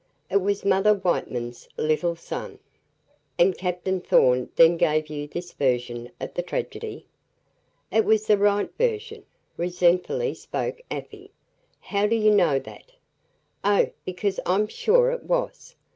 "It was Mother Whiteman's little son." "And Captain Thorn then gave you this version of the tragedy?" "It was the right version," resentfully spoke Afy. "How do you know that?" "Oh! because I'm sure it was.